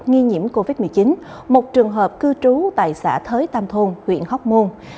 nghi nhiễm covid một mươi chín một trường hợp cư trú tại xã thới tam thôn huyện hóc môn